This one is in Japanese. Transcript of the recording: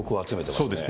そうですね。